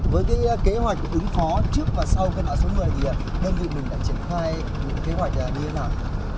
với cái kế hoạch ứng phó trước và sau cái đoạn số một mươi thì đơn vị mình đã triển khai những kế hoạch như thế nào